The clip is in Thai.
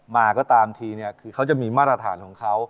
มาก็ตามทีเนี่ยคือเขาจะมีมาตรฐานของเขา